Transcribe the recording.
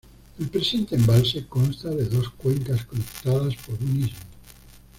El presente embalse consta de dos cuencas conectadas por un istmo.